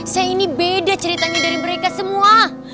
saya ini beda ceritanya dari mereka semua